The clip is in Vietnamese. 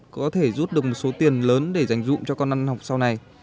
có thể rút được một số tiền lớn để dành dụng cho con ăn học sau này